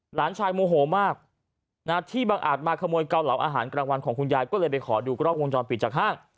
หลานชายโมโหมากนะที่บังอาจมาขโมยเกาเหลาอาหารกลางวันของคุณยายก็เลยไปขอดูกล้องวงจรปิดจากห้าง